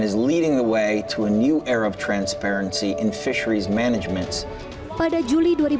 dan menjadikan perjalanan ke era transparansi di manajemen penjualan ikan